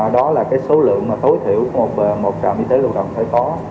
đó là cái số lượng mà tối thiểu một trạm y tế lưu động phải có